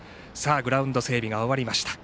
グラウンド整備が終わりました。